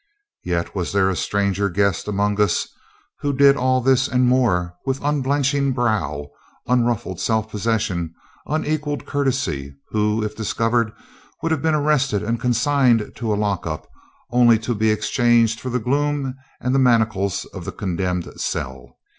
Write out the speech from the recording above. Yet was there a stranger guest among us who did all this and more with unblenching brow, unruffled self possession, unequalled courtesy, who, if discovered, would have been arrested and consigned to a lock up, only to be exchanged for the gloom and the manacles of the condemned cell.